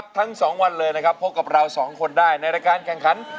ทั้งสองวันเลยพบกับเราสองคนได้ในรายการ